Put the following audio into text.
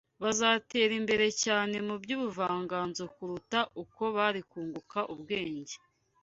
bazatera imbere cyane mu by’ubuvanganzo kuruta uko bari kunguka ubwenge